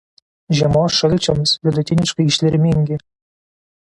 Žiemos šalčiams vidutiniškai ištvermingi.